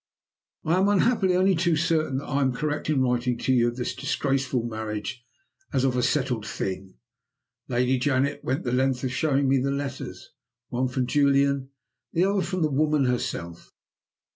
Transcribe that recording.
"I am unhappily only too certain that I am correct in writing to you of this disgraceful marriage as of a settled thing. Lady Janet went the length of showing me the letters one from Julian, the other from the woman herself.